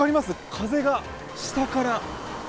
風が下から。